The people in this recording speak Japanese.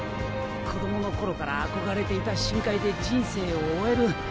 子供の頃から憧れていた深海で人生を終える。